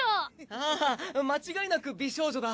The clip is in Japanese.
ああ間違いなく美少女だ！